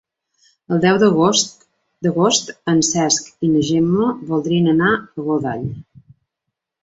El deu d'agost en Cesc i na Gemma voldrien anar a Godall.